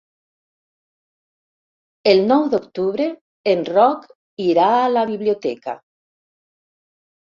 El nou d'octubre en Roc irà a la biblioteca.